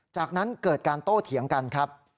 จากนั้นเกิดการโต้เถียงกันครับ